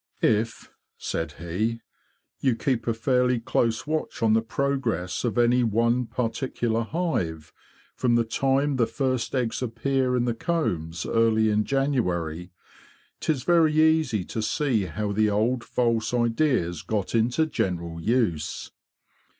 THE QUEEN BEE 95 ''Tf,'' said he, '' you keep a fairly close watch on the progress of any one particular hive, from the time the first eggs appear in the combs early in January, 'tis very easy to see how the old false ideas got into general use.